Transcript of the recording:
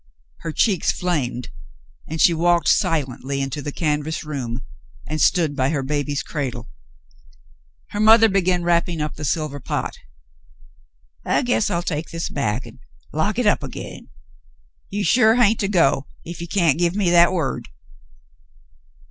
Her cheeks flamed, and she walked silently into the canvas room and stood by her baby's cradle. Her mother began wrapping up the silver pot. "I guess I'll take this back an' lock hit up again. You sure hain't to go if ye can't give me that word."